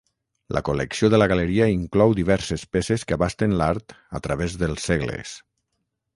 La col·lecció de la galeria inclou diverses peces que abasten l'art a través dels segles.